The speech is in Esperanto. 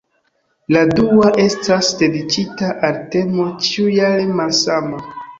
La dua estas dediĉita al temo ĉiujare malsama.